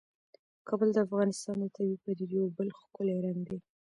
کابل د افغانستان د طبیعي پدیدو یو بل ښکلی رنګ دی.